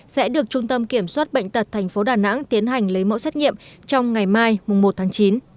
sẽ được trung tâm kiểm soát bệnh tật tp đà nẵng tiến hành lấy mẫu xét nghiệm trong ngày mai một tháng chín